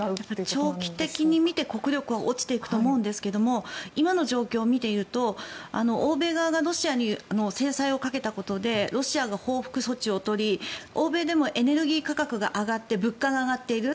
長期的に見て国力は落ちていくと思うんですが今の状況を見ていると欧米側がロシアに制裁をかけたことでロシアが報復措置を取り欧米でもエネルギー価格が上がって物価が上がっている。